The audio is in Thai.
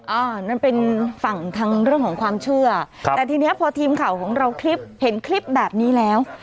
อ่านั่นเป็นฝั่งทางเรื่องของความเชื่อครับแต่ทีนี้พอทีมข่าวของเราคลิปเห็นคลิปแบบนี้แล้ว